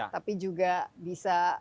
tapi juga bisa